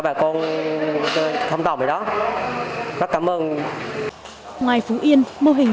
tại bảy tỉnh thành khác trên đường